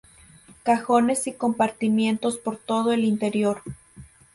Cajones y compartimentos por todo el interior.